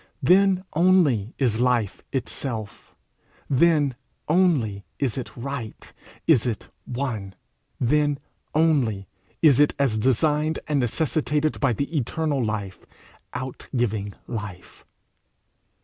Then only is life itself; then only is it right, is it one; then only is it as designed and necessitated by the eternal life outgiving Life.